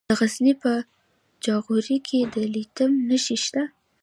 د غزني په جاغوري کې د لیتیم نښې شته.